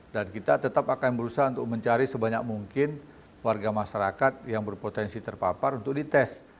dan kita tetap akan berusaha untuk mencari sebanyak mungkin warga masyarakat yang berpotensi terpapar untuk dites